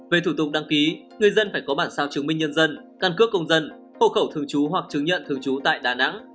về thủ tục đăng ký người dân phải có bản sao chứng minh nhân dân căn cước công dân hộ khẩu thường trú hoặc chứng nhận thường trú tại đà nẵng